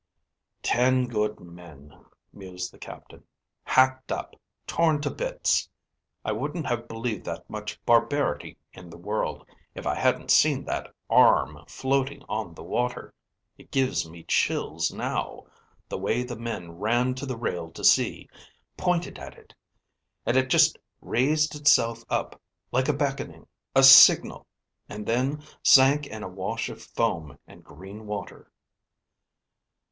"Ten good men," mused the captain. "Hacked up, torn in bits. I wouldn't have believed that much barbarity in the world, if I hadn't seen that arm, floating on the water. It gives me chills now, the way the men ran to the rail to see, pointed at it. And it just raised itself up, like a beckoning, a signal, and then sank in a wash of foam and green water."